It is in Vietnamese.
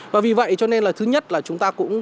và vì vậy cho nên là thứ nhất là chúng ta cũng